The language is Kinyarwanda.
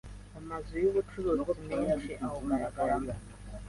Amazu y’ubucuruzi menshi awugaragaramo